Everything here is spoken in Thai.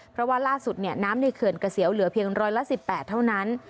เพราะว่าล่าสุดน้ำในเขื่อนเกษียวเหลือเพียงร้อยละ๑๘เท่านั้น